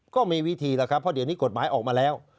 ก็มีวิธีแล้วครับเพราะเดี๋ยวนี้กฎหมายออกมาแล้ว